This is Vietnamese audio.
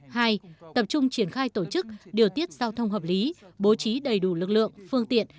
hai tập trung triển khai tổ chức điều tiết giao thông hợp lý bố trí đầy đủ lực lượng phương tiện